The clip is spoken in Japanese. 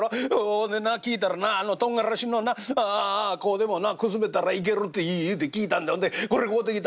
ほんでな聞いたらなあのトンガラシのな粉でもなくすべたらいけるっていうて聞いたんでほんでこれ買うてきた」。